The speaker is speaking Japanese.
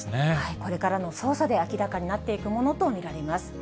これからの捜査で明らかになっていくものと見られます。